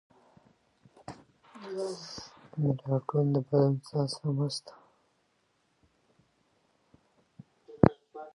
میلاټونین د بدن ساعت سره مرسته کوي.